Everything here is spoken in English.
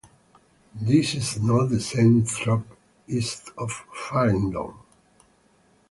This is not the same Thrupp east of Faringdon.